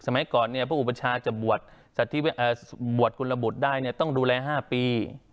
สมัยก่อนพวกอุปชาจะบวดบวกคนระบุธนี้ต้องดูแล๕ปี